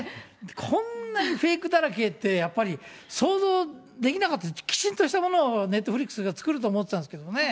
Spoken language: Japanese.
こんなにフェイクだらけって、やっぱり想像できなかったし、きちんとしたものをネットフリックスが作ると思ってたんですけどもね。